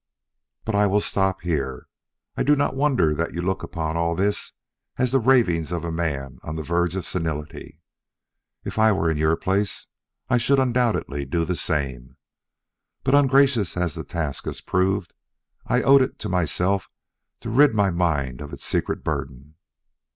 "But I will stop here. I do not wonder that you look upon all this as the ravings of a man on the verge of senility. If I were in your place, I should undoubtedly do the same. But ungracious as the task has proved, I owed it to myself to rid my mind of its secret burden.